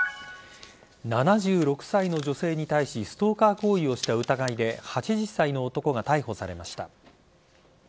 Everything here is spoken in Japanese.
７６歳の女性に対しストーカー行為をした疑いで８０歳の男が逮捕されました。